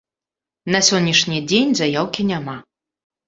На сённяшні дзень заяўкі няма.